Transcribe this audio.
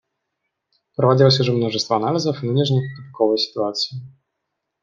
Проводилось уже множество анализов нынешней тупиковой ситуации.